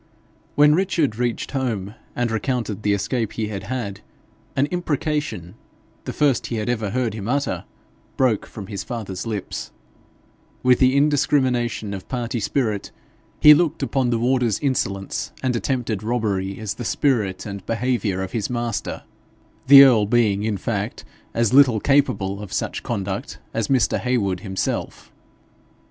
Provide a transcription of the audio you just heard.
When Richard reached home and recounted the escape he had had, an imprecation, the first he had ever heard him utter, broke from his father's lips. With the indiscrimination of party spirit, he looked upon the warder's insolence and attempted robbery as the spirit and behaviour of his master, the earl being in fact as little capable of such conduct as Mr. Heywood himself.